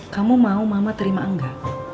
kamu mau mama terima enggak